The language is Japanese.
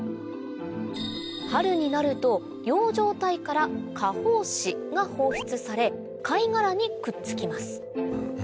春になると葉状体から果胞子が放出され貝殻にくっつきます